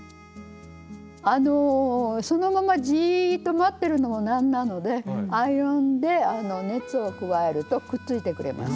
そのままじっと待ってるのも何なのでアイロンで熱を加えるとくっついてくれます。